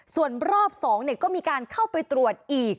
ส่วนรอบ๒ก็มีการเข้าไปตรวจอีก